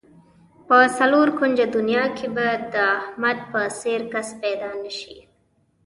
په څلور کونجه دنیا کې به د احمد په څېر کس پیدا نشي.